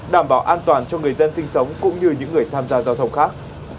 đảm bảo an toàn cho người dân sinh sống cũng như những người tham gia giao thông khác